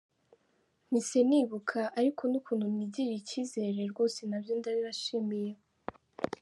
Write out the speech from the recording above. Mpise nibuka ariko n’ukuntu mwigirira icyizere, rwose nabyo ndabibashimiye.